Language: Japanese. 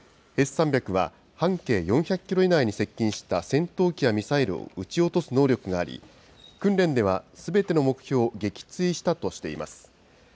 Ｓ３００は半径４００キロ以内に接近した戦闘機やミサイルを撃ち落とす能力があり、訓練ではすべての目標を撃墜したとしています。